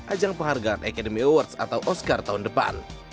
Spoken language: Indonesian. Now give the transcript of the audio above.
ajang penghargaan academy awards atau oscar tahun depan